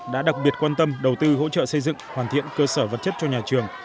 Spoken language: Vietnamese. đã đặc biệt quan tâm đầu tư hỗ trợ xây dựng hoàn thiện cơ sở vật chất cho nhà trường